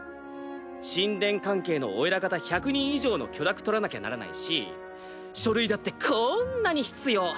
神殿関係のお偉方１００人以上の許諾取らなきゃならないし書類だってこんなに必要。